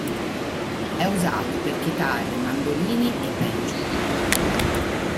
È usato per chitarre, mandolini e banjo.